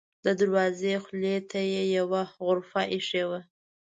د دروازې خولې ته یوه غرفه اېښې وه.